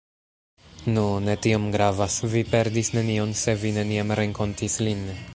Nu, ne tiom gravas, vi perdis nenion se vi neniam renkontis lin.